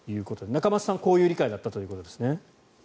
仲正さんはこういう理解だったということですね。